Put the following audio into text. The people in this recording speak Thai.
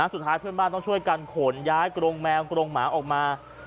สุดท้ายเพื่อนบ้านต้องช่วยกันขนย้ายกรงแมวกรงหมาออกมา